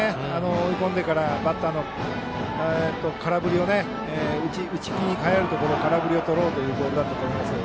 追い込んでからバッターの空振りを打ち気に変えるところを空振りにとろうというボールだったと思います。